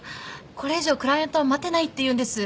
これ以上クライアントは待てないって言うんです。